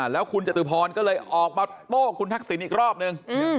แล้วคุณจตุพรก็เลยออกมาโต้คุณทักษิณอีกรอบนึง